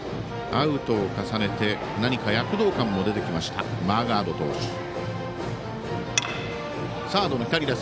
アウトを重ねて何か躍動感も出てきたマーガード投手。